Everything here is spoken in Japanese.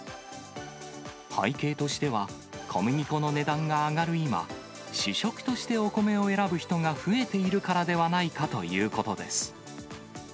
背景としては小麦粉の値段が上がる今、主食としてお米を選ぶ人が増えているからではないかということです。